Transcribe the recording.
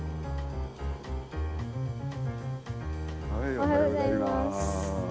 おはようございます。